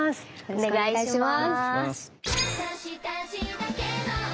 お願いします。